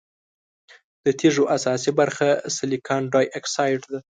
د تیږو اساسي برخه سلیکان ډای اکسايډ ده.